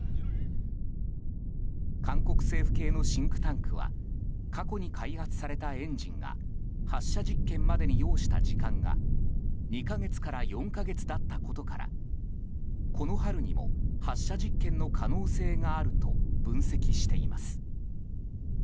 韓国政府系のシンクタンクは過去に開発されたエンジンが発射実験までに要した時間が２か月から４か月だったことからこの春にも発射実験の可能性があると分析しています。